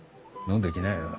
飲んできなよ。